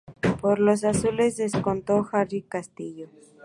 Por los azules descontó Harry Castillo.